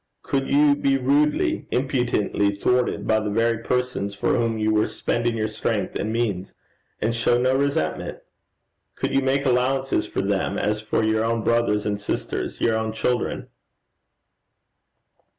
Could you be rudely, impudently thwarted by the very persons for whom you were spending your strength and means, and show no resentment? Could you make allowances for them as for your own brothers and sisters, your own children?'